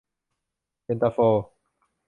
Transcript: เย็นตาโฟ